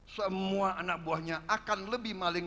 semua anak buahnya akan lebih maling